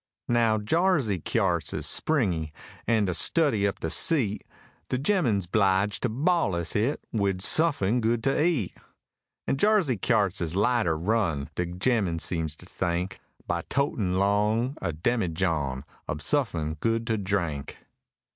Now, Jarsey kyarts is springy, an,' to studdy up de seat, De gemmen's 'bliged to ballus' hit wid suffin good to eat; An' Jarsey kyarts is lighter run, de gemmen seems to think, By totin' long a demijohn ob suffin good to drink.